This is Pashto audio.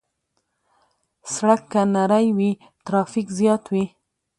سړک که نری وي، ترافیک زیات وي.